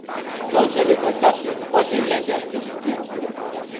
Lonxe de retractarse, hoxe Iglesias insistiu.